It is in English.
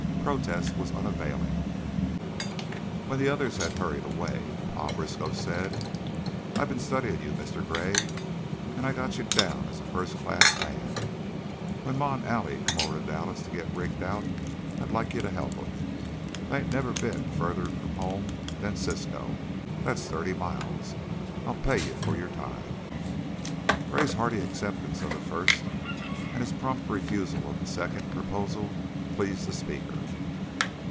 Protest was unavailing. When the others had hurried away, Pa Briskow said: "I been studyin' you, Mister Gray, and I got you down as a first class man. When Ma and Allie come over to Dallas to get rigged out, I'd like you to help 'em. They 'ain't never been fu'ther from home than Cisco that's thirty mile. I'll pay you for your time." Gray's hearty acceptance of the first and his prompt refusal of the second proposal pleased the speaker.